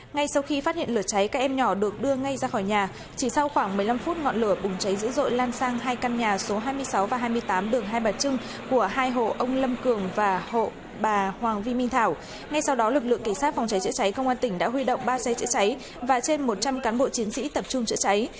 ngay sau đó lực lượng kỳ sát phòng cháy chữa cháy công an tỉnh đã huy động ba xe chữa cháy và trên một trăm linh cán bộ chiến sĩ tập trung chữa cháy